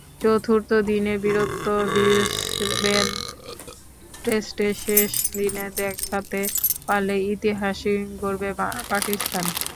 চতুর্থ দিনের বীরত্ব ব্রিসবেন টেস্টের শেষ দিনে দেখাতে পারলে ইতিহাসই গড়বে পাকিস্তান।